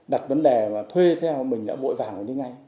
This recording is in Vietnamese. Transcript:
đặt vấn đề mà thuê theo mình đã vội vàng rồi đi ngay